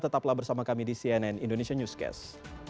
tetaplah bersama kami di cnn indonesia newscast